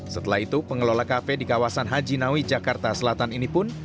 setelah itu pengelola kafe di kawasan haji nawi jakarta selatan ini pun